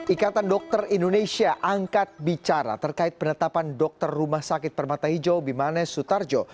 ikatan dokter indonesia angkat bicara terkait penetapan dokter rumah sakit permata hijau bimanes sutarjo